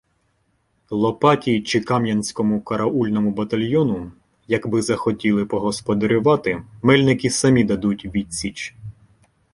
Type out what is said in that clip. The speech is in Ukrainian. Лопаті чи Кам'янському караульному батальйону, якби захотіли "погосподарювати", Мельники самі дадуть відсіч.